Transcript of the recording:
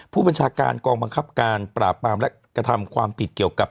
ผู้บัญชาการกองบังคับการปราบปรามและกระทำความผิดเกี่ยวกับ